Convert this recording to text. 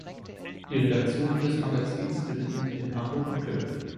Die Redaktionen des Magazins befinden sich in Hamburg und Köln.